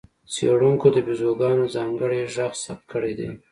څېړونکو د بیزوګانو ځانګړی غږ ثبت کړی دی.